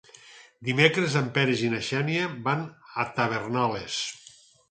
Dimecres en Peris i na Xènia van a Tavèrnoles.